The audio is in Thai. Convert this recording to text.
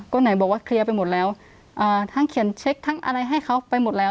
ก็ไหนบอกว่าเคลียร์ไปหมดแล้วอ่าทั้งเขียนเช็คทั้งอะไรให้เขาไปหมดแล้ว